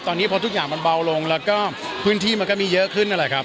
ตอนนี้พอทุกอย่างมันเบาลงแล้วก็พื้นที่มันก็มีเยอะขึ้นนั่นแหละครับ